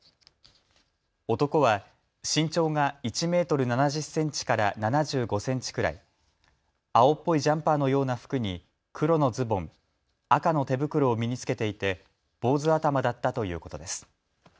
男は身長が１メートル７０センチから７５センチくらい、青っぽいジャンパーのような服に黒のズボン、赤の手袋を身に着けていて坊主頭だったということです。